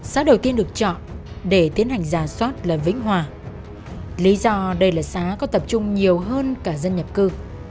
xã đầu tiên được chọn để tiến hành giả soát là vĩnh hòa lý do đây là xã có tập trung nhiều hơn cả dân nhập cư